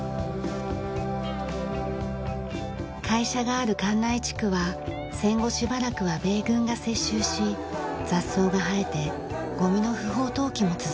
会社がある関内地区は戦後しばらくは米軍が接収し雑草が生えてゴミの不法投棄も続きました。